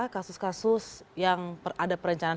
kasus kasus yang ada perencanaan